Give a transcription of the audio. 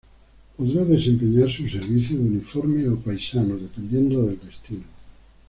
Podrá desempeñar su servicio de uniforme o paisano, dependiendo del destino.